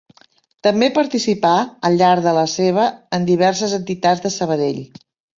També participà al llarg de la seva en diverses entitats de Sabadell.